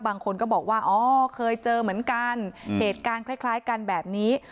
บางคนก็บอกว่าอ๋อเคยเจอเหมือนกันเหตุการณ์คล้ายกันแบบนี้